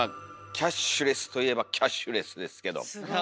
キャッシュレスといえばキャッシュレスですけど。